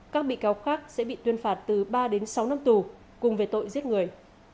các bị cáo khác sẽ bị tuyên phạt từ ba đến sáu năm tù cùng về tội giết người